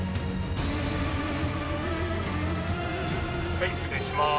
はい失礼します。